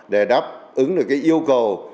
để đáp ứng được yêu cầu